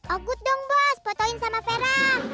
akut dong bos fotoin sama vera